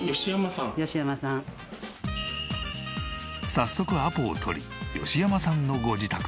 早速アポを取り吉山さんのご自宅へ。